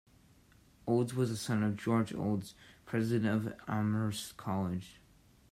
Olds was a son of George Olds, president of Amherst College.